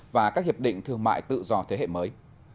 và các hiệp định thương mại tự do thế hệ mới